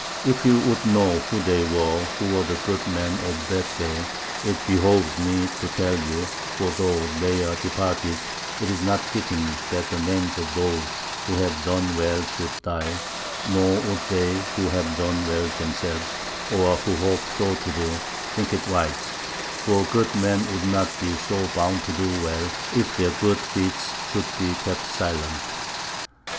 If you would know who they were, who were the good men of that day, it behoves me to tell you, for though they are departed, it is not fitting that the names of those who have done well should die, nor would they who have done well themselves, or who hope so to do, think it right; for good men would not be so bound to do well if their good feats should be kept silent.